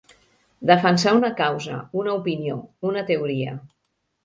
Defensar una causa, una opinió, una teoria.